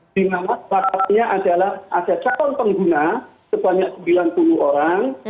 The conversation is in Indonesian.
di mana pasalnya adalah ada calon pengguna sebanyak sembilan puluh orang